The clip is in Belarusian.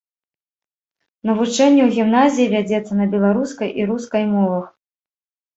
Навучэнне ў гімназіі вядзецца на беларускай і рускай мовах.